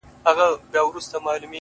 • جنت د حورو دی، دوزخ د سيطانانو ځای دی،